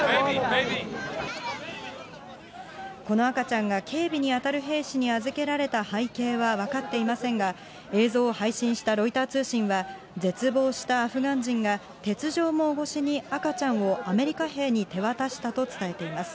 この赤ちゃんが、警備に当たる兵士に預けられた背景は分かっていませんが、映像を配信したロイター通信は絶望したアフガン人が、鉄条網越しに赤ちゃんをアメリカ兵に手渡したと伝えています。